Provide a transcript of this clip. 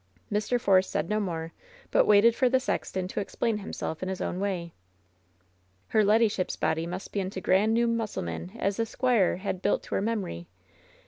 Mr. Force said no more, but waited for the sexton to explain himself in his own way. "Her leddyship's body must be in t' grand new mus^ selman as the squire had built to her memory.